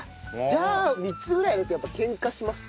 じゃあ３つぐらいだとやっぱケンカします？